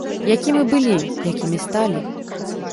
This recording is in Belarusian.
Якімі былі, якімі сталі?